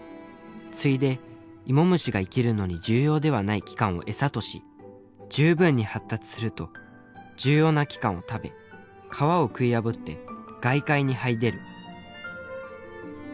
ついでイモムシが生きるのに重要ではない器官を餌とし十分に発達すると重要な器官を食べ皮を食い破って外界に這い出る」。